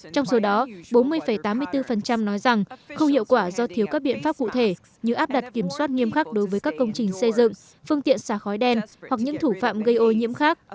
trong số đó bốn mươi tám mươi bốn nói rằng không hiệu quả do thiếu các biện pháp cụ thể như áp đặt kiểm soát nghiêm khắc đối với các công trình xây dựng phương tiện xả khói đen hoặc những thủ phạm gây ô nhiễm khác